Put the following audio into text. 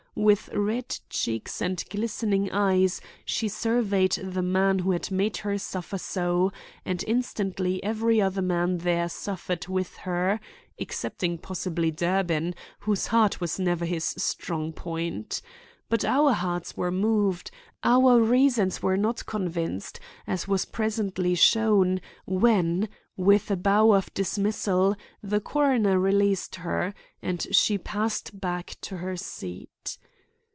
With red cheeks and glistening eyes she surveyed the man who had made her suffer so, and instantly every other man there suffered with her; excepting possibly Durbin, whose heart was never his strong point. But our hearts were moved, our reasons were not convinced, as was presently shown, when, with a bow of dismissal, the coroner released her, and she passed back to her seat.